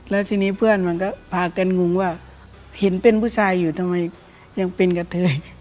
แล้วทีนี้เพื่อนมันก็พากันงงว่าเห็นเป็นผู้ชายอยู่ทำไมยังเป็นกะเทย